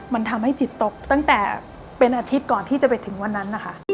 มันทำให้จิตตกตั้งแต่เป็นอาทิตย์ก่อนที่จะไปถึงวันนั้นนะคะ